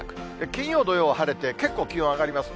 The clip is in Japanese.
金曜、土曜は晴れて、結構、気温上がります。